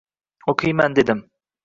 O`qiyman, dedim